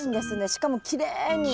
しかもきれいに。